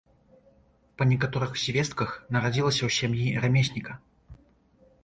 Па некаторых звестках, нарадзілася ў сям'і рамесніка.